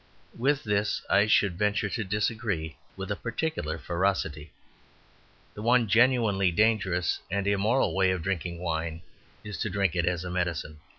With this I should venture to disagree with a peculiar ferocity. The one genuinely dangerous and immoral way of drinking wine is to drink it as a medicine.